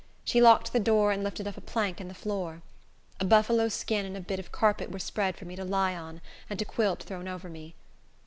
She locked the door, and lifted up a plank in the floor. A buffalo skin and a bit of carpet were spread for me to lie on, and a quilt thrown over me.